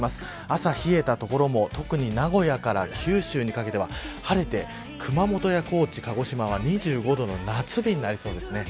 朝冷えた所も特に名古屋から九州にかけては晴れて熊本や高知、鹿児島は２５度の夏日になりそうです。